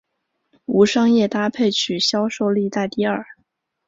无商业搭配曲销售历代第二。